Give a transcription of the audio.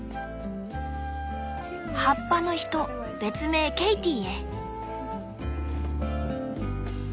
「葉っぱの人別名ケイティへ」。